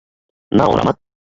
নাও, রামা।